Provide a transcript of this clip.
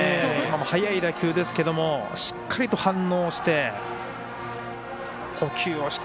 速い打球ですけどしっかりと反応して捕球をした